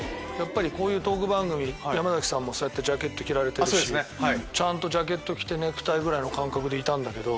こういうトーク番組山崎さんもジャケット着られてるしちゃんとジャケット着てネクタイぐらいの感覚でいたけど。